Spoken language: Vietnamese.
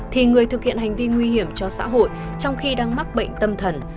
thì người thực hiện hành vi nguy hiểm cho xã hội trong khi đang mắc bệnh tâm thần